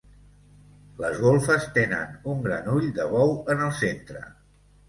Les golfes tenen un gran ull de bou en el centre.